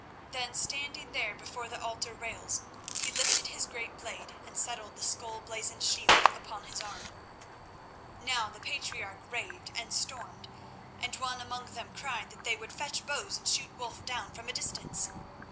Then, standing there before the altar rails, he lifted his great blade and settled the skull blazoned shield upon his arm. Now the patriarch raved and stormed, and one among them cried that they would fetch bows and shoot Wulf down from a distance.